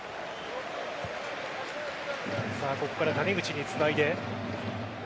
ここから谷口につないで。